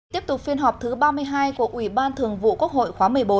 tiếp tục phiên họp thứ ba mươi hai của ủy ban thường vụ quốc hội khóa một mươi bốn